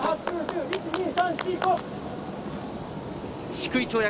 低い跳躍。